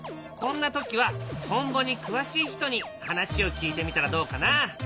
こんな時はトンボに詳しい人に話を聞いてみたらどうかな？